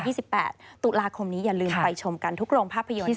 ที่๑๘ตุลาคมนี้อย่าลืมไปชมกันทุกโรงภาพยนตร์นะคะ